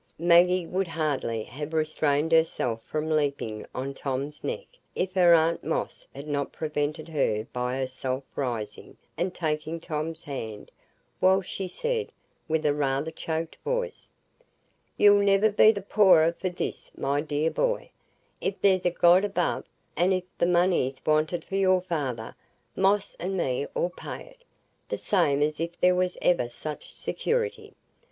Maggie would hardly have restrained herself from leaping on Tom's neck, if her aunt Moss had not prevented her by herself rising and taking Tom's hand, while she said, with rather a choked voice: "You'll never be the poorer for this, my dear boy, if there's a God above; and if the money's wanted for your father, Moss and me 'ull pay it, the same as if there was ever such security.